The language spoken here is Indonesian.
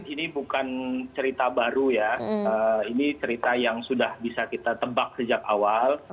ini bukan cerita baru ya ini cerita yang sudah bisa kita tebak sejak awal